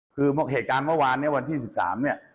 คือเหตุการณ์เมื่อวานเนี่ยวันที่๑๓เนี่ย